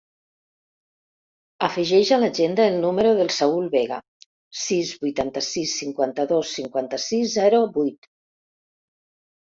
Afegeix a l'agenda el número del Saül Vega: sis, vuitanta-sis, cinquanta-dos, cinquanta-sis, zero, vuit.